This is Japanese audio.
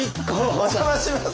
お邪魔します。